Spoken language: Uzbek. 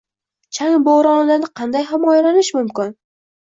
Chang bo‘ronidan qanday himoyalanish mumkin?ng